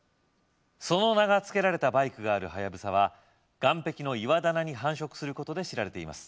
その名が付けられたバイクがあるハヤブサは岩壁の岩棚に繁殖することで知られています